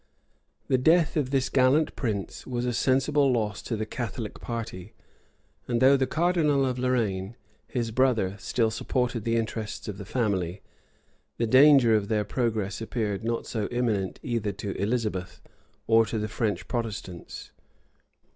The death of this gallant prince was a sensible loss to the Catholic party; and though the cardinal of Lorraine, his brother, still supported the interests of the family, the danger of their progress appeared not so imminent either to Elizabeth or to the French Protestants.